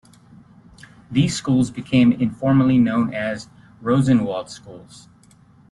These schools became informally known as Rosenwald Schools.